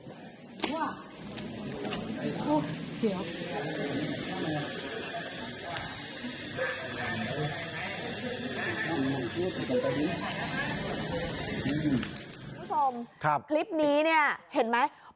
คุณผู้ชมคลิปนี้เนี่ยเห็นไหม